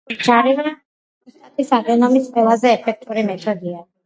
ქირურგიული ჩარევა პროსტატის ადენომის ყველაზე ეფექტიანი მეთოდია.